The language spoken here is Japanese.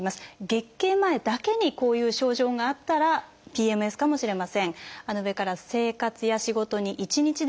月経前だけにこういう症状があったらＰＭＳかもしれません。